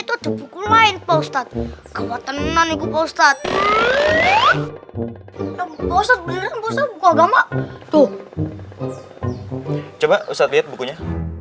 itu buku lain post op kekuatanan itu post op post op agama tuh coba usah lihat bukunya